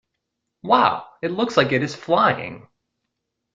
Wow! It looks like it is flying!